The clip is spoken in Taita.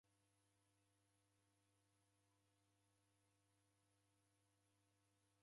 Mbashu ra mudi raoma